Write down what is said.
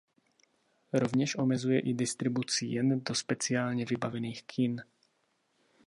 Rovněž omezuje i distribuci jen do speciálně vybavených kin.